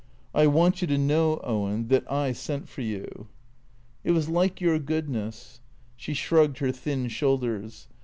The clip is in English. " I want you to know, Owen, that I sent for you." " It was like your goodness." She shrugged her thin shoulders.